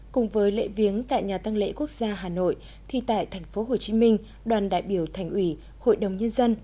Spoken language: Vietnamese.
cùng với lễ viếng tại nhà tăng lễ quốc gia hà nội thì tại tp hcm đoàn đại biểu thành ủy hội đồng nhân dân